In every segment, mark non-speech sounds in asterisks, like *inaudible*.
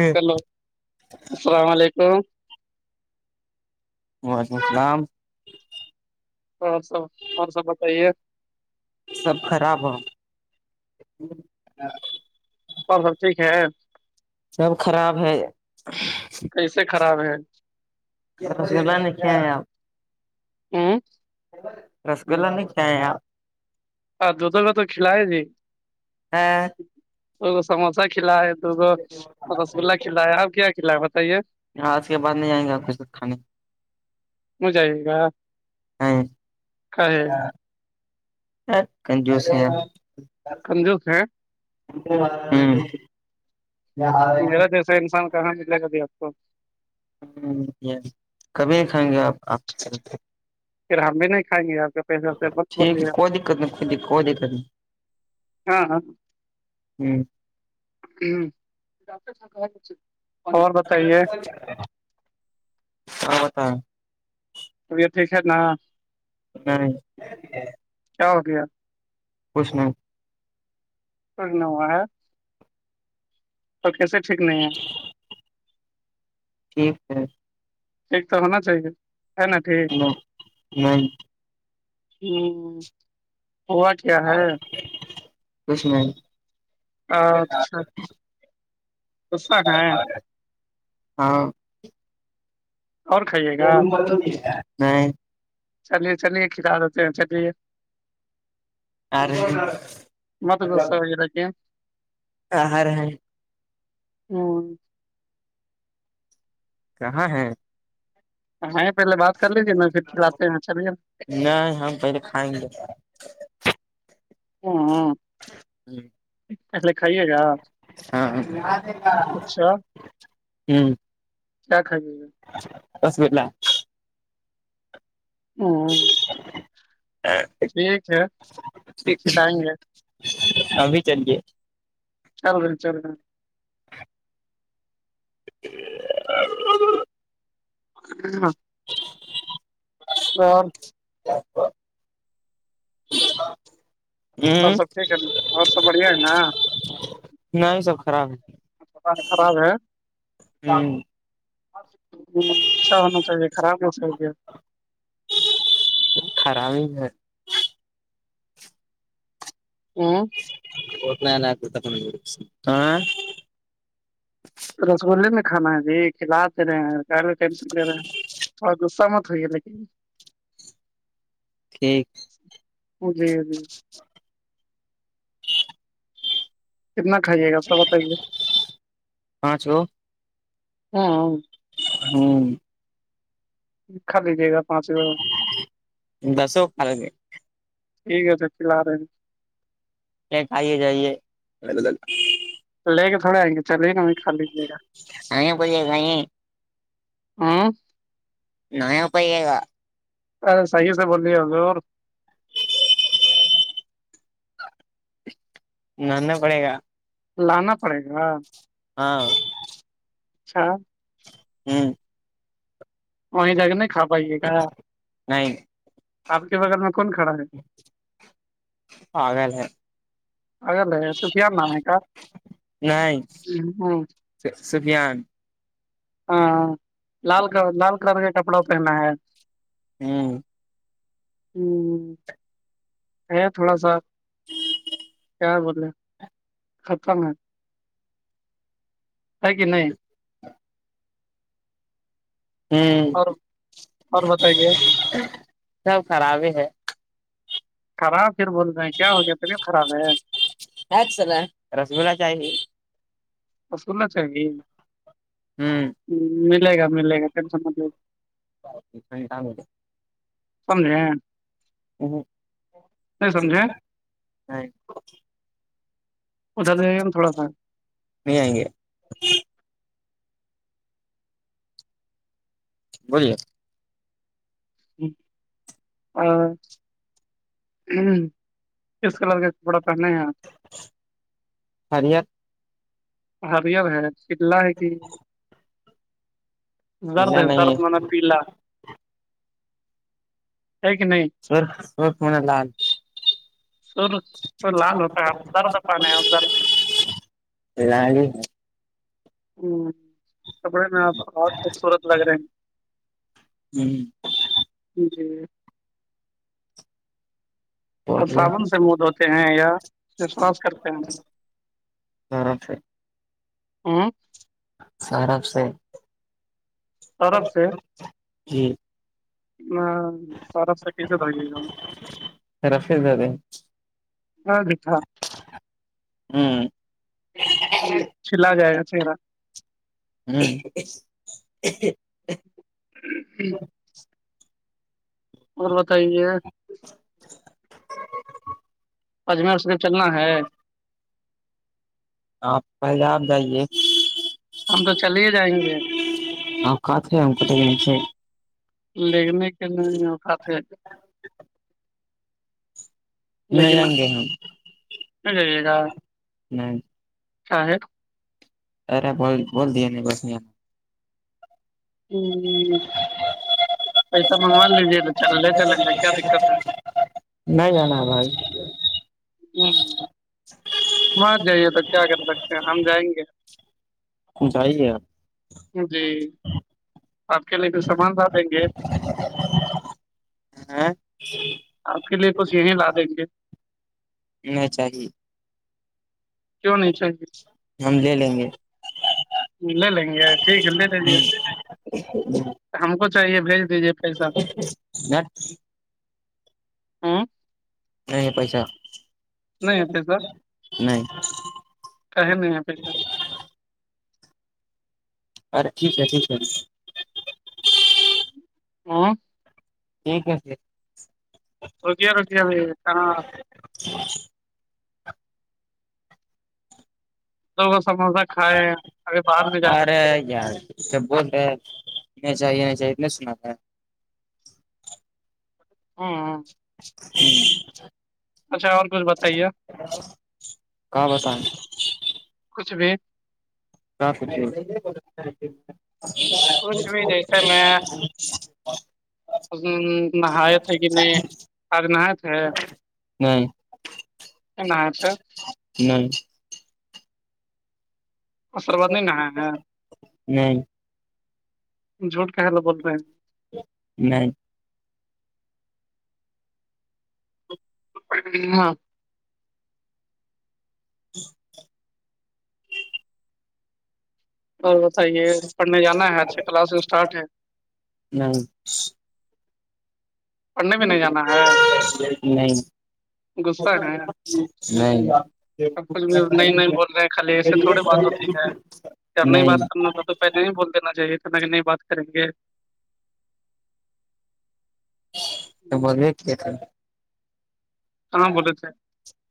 hello السلام علیکم وعلیکم السلام اور سب اور سب بتائیے سب خراب ہے اور سب ٹھیک ہے سب خراب ہے کیسے خراب ہے *inaudible* ا *inaudible* رس گلا نہیں کھائے ہیں اپ ہاں دے دو گے تو کھلا ہے جی ہاں دو سموسا کھلا ہے دو رس گلا کھلا ہے اب کیا کھلا ہے بتائیے آج کے بعد نہیں آئیں گے اپ کے ساتھ کھانے *inaudible* کنجوس ہے کنجوس ہے ہوں میرا جیسا انسان کہاں ملے گا بھیا آپ کو ہاں یہ کبھی نہیں کھائیں گے آپ سے پھر ہم بھی نہیں کھائیں گے آپ کے پیسے سے بس بہت ہو ٹھیک ہے گیا کوئی دقت نہیں کوئی کوئی دقت ہاں ہاں نہیں اور بتائیے *inaudible* طبعت ٹھیک ہے نہ نہیں کیا ہو گیا کچھ نہیں ٹھیک نہیں ہوا ہے تو کیسے ٹھیک نہیں ہے ٹھیک ہے ٹھیک تو ہونا چاہیے ہے نا ٹھیک نہیں نہیں ہوں ہوا کیا ہے کچھ نہیں اچھا غصہ ہے ہاں اور کھائیے گا *unintelligible* نہیں چلیے چلیے کھلا دیتے ہیں چلیے آ رہے مت دوسا ا کہ *unintelligible* ہوں کہاں ہے ہاں پہلے بات کر لیج تیے میں پھر کھلاتے ہیں چلیے نہیں ہم پہلے کھائیں گے ہمم *inaudible* لکھا ہی ہے گا ہاں ہاں اچھا ہوں کیا کھ جی *unintelligible* ہوں ٹھیک ہے کھلائیں گے ہم بھی چلیے چل رہ چل رہ *inaudible* *inaudible* *inaudible* اور *inaudible* اور ہ سب ٹھیک ہے نا اور سب بڑھیا ہے نا نہیں سب خراب ہے پال خراب ہے ہ اچھا ہونا چاہیے خراب ہو چاہیے خراب ہی ہے ہوں *unintelligible* رسگلے میں کھانا ہے جی کھلاتے رہے ہیں *unintelligible* ٹھیک جی جی کتنا کھائیے گا آ بتائیے پانچ گو ہاں ہمم کا لیجیے گا پانچ دسو کھا لو گے ٹھیک ہے سب کھلا دیں گے *unintelligible* کھائیے جائیے لے کے تھوڑے آئ گے چلیے گا خال لیجیے *unintelligible* ہمم نہیں ہو پائے گا ا صحیح سے بولی ہو اور ماننا پڑے گا لانا پڑے گا ہاں اچھا ہوں وہیں جا کے نہیں کھا پائیے گ نہیں آپ کے بغل میں کون کھڑا ہے آ لے آگ الے س ت آار ن کاا نہیںائ سفان ہاں لال ک لال کلر کا کپڑا پہنا ہے ہوں ہ ہے تھوڑا سا کیا ب خا ہے ت کہ نہیں ہمم اور اور بتائیے سب خراب ہے خراب پھر بول رہے ہیں کیا ہو گیا تبے خراب ہے کیا چل رس گلہلا چاہی سننا چاہیں گے ہوں ملے گا ملے گا سمجے گا *unintelligible* *unintelligible* ہوں نہیں سمجھے نہیں ادھر جائے ہم تھوڑا سا نہیں آئیں گے بولیے *inaudible* ہمم کس کلر کے کپڑا پہن ہیں آپ ہڑیا حریم ہے شللا ہے کہ درد اللہ ہے نہیں درد میں نے پیلا ہے کہ نہیں سرخ سرف منا سر تو لال ہوتا ہے درد پانے درد لال *inaudible* *unintelligible* ہمم اس کپڑے میں آپ اور خوبصورت لگ رہے ہیں ہی جی بولیے صابن سے منہ دھوتے ہیں یا و سواس کرتے ہیں *unintelligible* ہوں سرف سے سرف سے جی سرف سے کیسے دے گا رفے دادے ہاں جیھا ہوں چلا جائے گا چہرہ ہوں ہوں اور بتائیے *inaudible* اجمیر شریف چلنا ہے آپ پہلے آپ جائیے ہم تو چل ہی جائیں گے *unintelligible* لگنے کے نہیں خات کیا نہیں لیکن جائیں گے ہم *unintelligible* نہیں شاید ارے بھائی بول دیے بس ہ پیسہ منگوا لیجیے تو چل لے چلیں گے کیا دقت ہے نہیں ہےنا بھائی *unintelligible* وہاں جائیے بچہ اگر کر سکتے ہیں ہم جائیں گے جانے آپ جی آپ کے لیے بھی سامان لا دیں گے آپ آپ کے لیے کچھ یہی لا دیں گے نہیں چاہیے کیوں نہیں چاہیے ہم لے لیں گے لے لیں گے ٹھیک ہے لے لجے ہم کو چاہیے بھیج دیجیے پیسہ *inaudible* ہوں نہیں پیسہ نہیں ہے پیسہ نہیں کہی نہیں ہے پیسے ارے ٹھیک ہے ٹھیک ہے ہاں ٹھیک ہے پھر روک دیا روک دیا کہاں تووہ سموسا کھائے ابھی باہر میں جا کر ارے کے یار جب بول رہے ہیں نہیں چاہیے نہیں چاہیے اتنا سناا ہوں *unintelligible* اچھا اور کچھ بتانے *inaudible* کا بتانے کچھ بھی *unintelligible* کچھ بھی نہیں جیسے میں نہایا تھے کہ نہیں آج نہیا تھے نہیں نہ سے نہیں سربت نہیں نہایا نہیں جھوٹ کاہے بول رہے ہیں نہیں ہاں جی اور بتائیے پڑھنے جانا ہے آج سے کلاسس اسٹارٹ ہے نہیں پڑھنے بھی نہیں جانا ہے نہیں غصہ ہے نہیں سب کچھ کو نہیں نہیں بول رہے ہیں خالی ایسے تھوڑی بات ہوتی ہے کرنا ہی نہیں بات کرنا تھا تو پہلے نہیں بول دینا چاہیے تھا نہیں بات کریں گے *inaudible* کہاں بولے تھے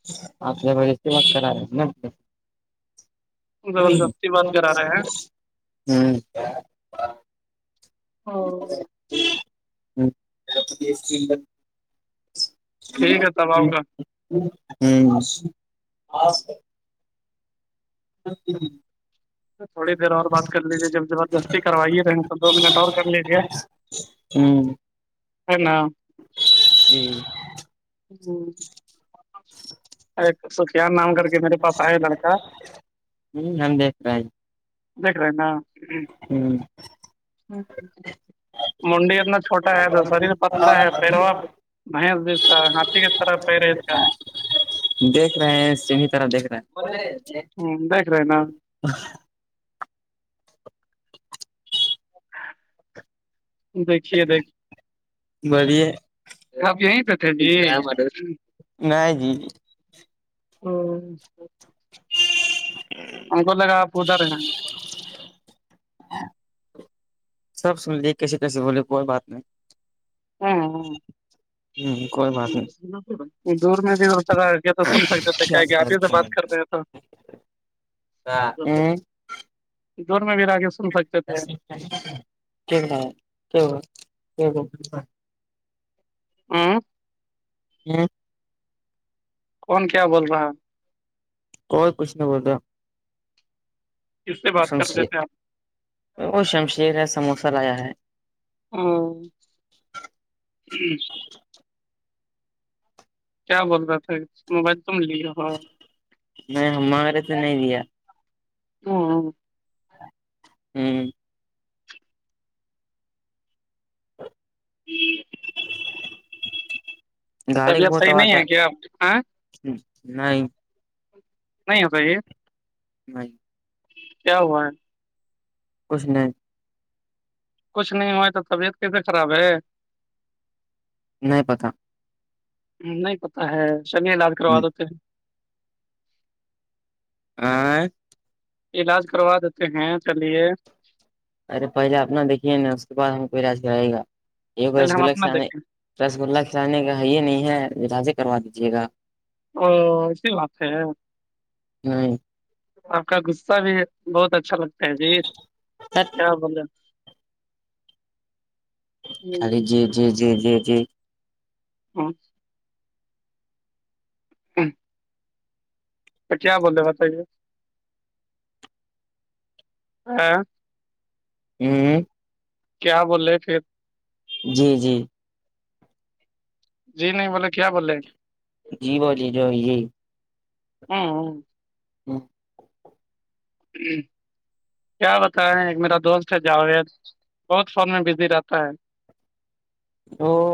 *inaudible* زبردستی بات کرا رہے ہیں ہوں ہ *inaudible* ٹھیک ہے تب آؤ گا ہ اچ تھوڑی دیر اور بات کر لیجیے جب زبردستی کروائیے رہے تو دو منٹ اور کر لیجے ہوں ہے نا جی ارے سفیان نام کر کے میرے پاس آئے لڑکا ہوں ہم دیکھ رہے تھے دیکھ رہے ہیں ہمم نا منڈی اتنا چھوٹا ہے تو شریر پتلا ہے پیرو بھینس بھی اس کا ہاتھی کے طرح پیر ہے اس کا دیکھ رہے ہیں صحیح طرح دیکھ ہ رہے ہیں دیکھ رہے نا دیکھیے دیکھیے ہیں بولیے آپ یہیں پہ تھے نہیں جی ہ س ہم کو لگا اپ ادھر ہیں سب سن لیجے کیسے کیسے بولے کوئی بات نہیں ہاں ہاں ہوں کوئی بات نہیں دور میں بھی ہو کہ تو سن سکتے تھے کیا کہ آپ ہی سے بات کرتے ہیں تو دور میں رہ کے سن سکتے تھے کیا ہوا کیا ہوا ہاں ہاں کون کیا بول رہا ہے کوئی کچھ نہیں بول رہا ہے کس سے بات سب کر رہے ٹھیک ہے تھے آپ وہ شمشیر ہے سموسہ لایا ہے ہاں کیا بول رہا تھا موبائل تم لیے ہو نہیں ہمارے سے نہیں لیا ہوں ہوں جی گاڑی کی طبیعت بہت صحیح آواز نہیں ہے کیا آپ ہاں، نہیں نہیں ہوتا یہ نہیں کیا ہوا ہے کچھ نہیں کچھ نہیں ہوآ ہے تو طبیعت کیسے خراب ہے نہیں پتا نہیں پتا ہے چلئے علاج کروا دیتے ہیں آئے علاج کروا دیتے ہیں چلیے ارے پہلے اپنا دیکھیے نا اس کے بعد ہم کو علاج کرائے گا ایک بار پہلے کے ہم گلگلا اپنا سامنے دیکھیں رسگلہ کھلانے کا کا ہے یہ نہیں ہے علاج کروا دیجیے گا اوہ ایسی بات ہے نہیں آپ کا غصہ بھی بہت اچھا لگتا ہے جی *inaudible* کیا بولے خالی جی جی جی جی جی ہاں ہوں تو کیا بولے بتائیے ہاں ہوں کیا بولے پھر جی جی جی نہیں بولے کیا بولے ہیں جی بولیے جو یہی ہاں ہاں ہوں جی کیا بتائیں ایک میرا دوست ہے جاوید بہت فون میں بزی رہتا ہے اوہ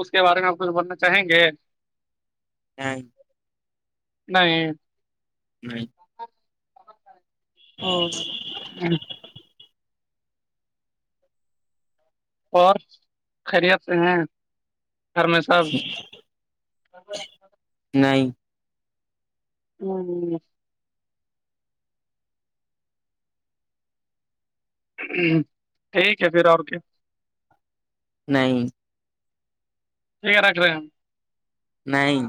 اس کے بارے میں آپ کچھ بولنا چاہیں گے ہاں نہیں نہیں اوہ اور خیریت سے ہیں گھر میں سب نہیں مان لیا ہ ٹھیک ہے پھر آپ کے نہیں ٹھیک ہے رکھ رہے ہیں ہم نہیں